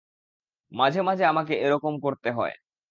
মাঝে-মাঝে আমাকে এ রকম করতে হয়।